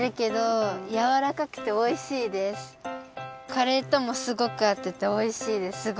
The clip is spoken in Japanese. カレーともすごくあってておいしいですすごく。